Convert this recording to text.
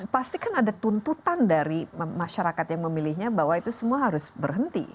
pasti kan ada tuntutan dari masyarakat yang memilihnya bahwa itu semua harus berhenti